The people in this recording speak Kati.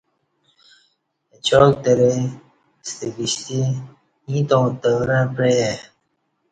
اچاک درے ستہ کشتی ییں تاوں تورں پعئے